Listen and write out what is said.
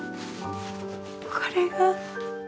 これが恋？